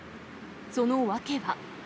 その訳は。